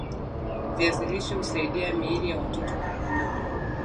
viazi lishe husaidia miili ya watoto kukua